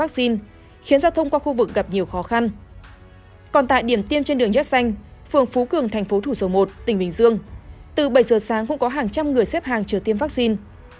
điểm tiêm trên đường yét xanh phường phú cường thành phố thủ sổ một tỉnh bình dương từ bảy giờ sáng cũng có hàng trăm người xếp hàng chờ tiêm vaccine